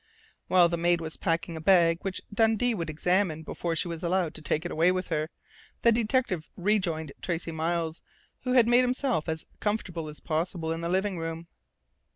While the maid was packing a bag, which Dundee would examine before she was allowed to take it away with her, the detective rejoined Tracey Miles, who had made himself as comfortable as possible in the living room.